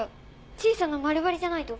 小さな丸針じゃないと。